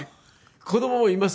子どももいます。